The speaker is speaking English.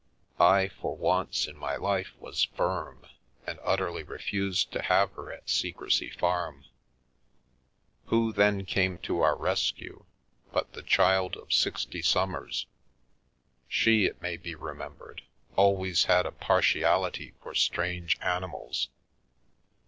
I, for once in my life, was firm, and utterly refused to have her at Secrecy Farm. Who then came to our rescue, but the Child of Sixty Summers; she, it may be remembered, always had a partiality for strange animals.